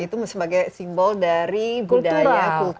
itu sebagai simbol dari budaya kultur